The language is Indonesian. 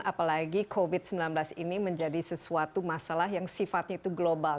apalagi covid sembilan belas ini menjadi sesuatu masalah yang sifatnya itu global